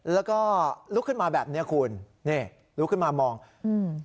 แล้วก็ลุกขึ้นมาแบบเนี้ยคุณนี่ลุกขึ้นมามองอืม